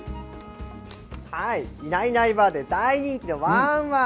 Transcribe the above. いないいないばぁで大人気のわんわん。